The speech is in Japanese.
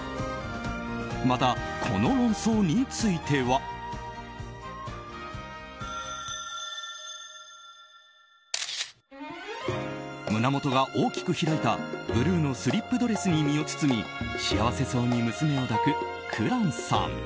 また、この論争については。胸元が大きく開いたブルーのスリップドレスに身を包み幸せそうに娘を抱く紅蘭さん。